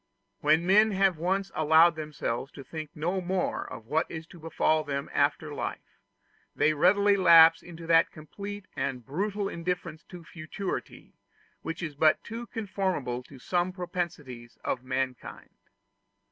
When men have once allowed themselves to think no more of what is to befall them after life, they readily lapse into that complete and brutal indifference to futurity, which is but too conformable to some propensities of mankind.